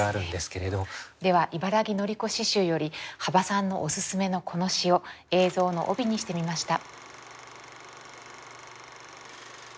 では茨木のり子詩集より幅さんのオススメのこの詩を映像の帯にしてみました。